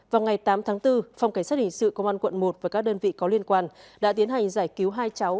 vào ngày tám tháng bốn phòng cảnh sát hình sự công an quận một và các đơn vị có liên quan đã tiến hành giải cứu hai cháu